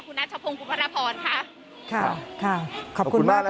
คุณนัทธวูกปรพรค่ะค่ะค่ะขอบคุณมากค่ะ